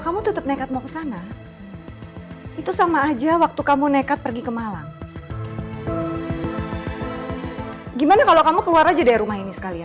kamu tetep nekat mau ke sana itu sama aja waktu kamu nekat pergi ke malang gimana kalau kamu keluar aja di rumah ini terlihat